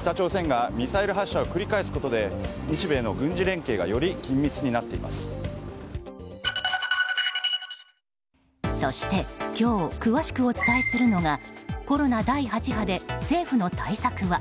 北朝鮮がミサイル発射を繰り返すことで日米の軍事連携がそして今日詳しくお伝えするのがコロナ第８波で政府の対策は？